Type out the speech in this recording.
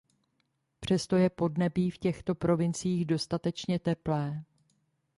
Přesto je podnebí v těchto provinciích dostatečně teplé.